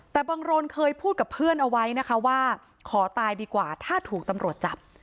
แต่บังโรนเคยพูดกับเพื่อนเอาไว้นะคะว่าขอตายดีกว่าถ้าถูกตำรวจจับ